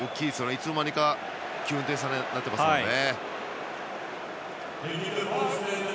いつの間にか９点差になっていますもんね。